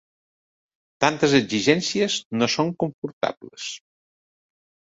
Tantes exigències no són comportables.